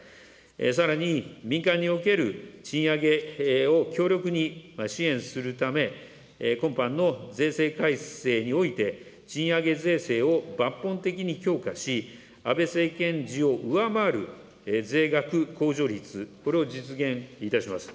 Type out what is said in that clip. さらに民間における賃上げを強力に支援するため、今般の税制改正において、賃上げ税制を抜本的に強化し、安倍政権時を上回る税額控除率、これを実現いたします。